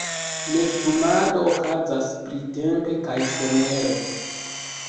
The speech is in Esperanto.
Nestumado okazas printempe kaj somere.